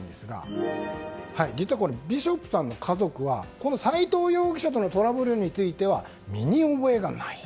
実はビショップさんの家族は斎藤容疑者とのトラブルについては身に覚えがないと。